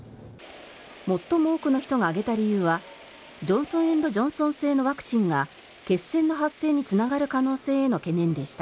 最も多くの人が挙げた理由がジョンソン・エンド・ジョンソン製のワクチンが血栓の発生につながる可能性への懸念でした。